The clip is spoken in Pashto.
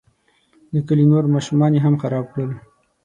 د کلي نور ماشومان یې هم خراب کړل.